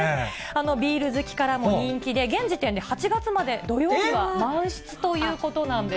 ビール好きからも人気で、現時点で、８月まで、土曜日は満室ということなんです。